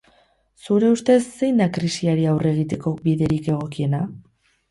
Zure ustez zein da krisiari aurre egiteko biderik egokiena?